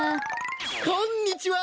こんにちは！